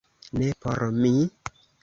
Ne por mi?